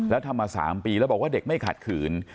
แล้วทำมา๓ปีแล้วบอกว่าเด็กไม่ขัดขืน